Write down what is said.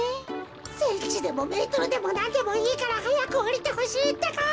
センチでもメートルでもなんでもいいからはやくおりてほしいってか。